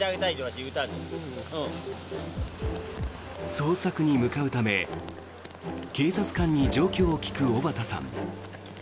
捜索に向かうため警察官に状況を聞く尾畠さん。